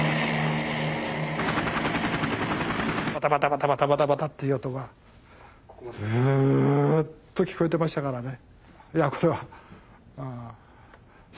バタバタバタバタバタバタっていう音がずっと聞こえてましたからね。